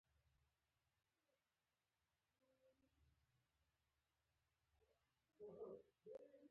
ځان رانه هېر و.